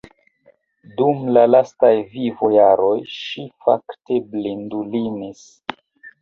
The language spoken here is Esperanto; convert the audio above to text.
Dum la lastaj vivojaroj ŝi fakte blindulinis.